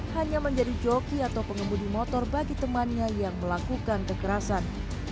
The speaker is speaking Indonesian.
hanya menjadi joki atau pengemudi motor bagi temannya yang melakukan kekerasan